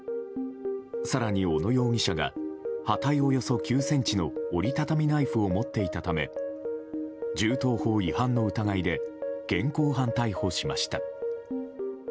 更に、小野容疑者が刃体およそ９ｃｍの折り畳みナイフを持っていたため銃刀法違反の疑いで現行犯逮捕しました。